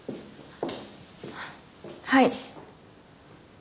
はい。